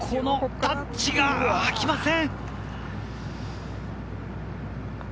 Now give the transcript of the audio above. タッチがきません。